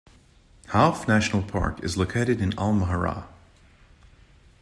Hauf National Park is located in Al Mahrah.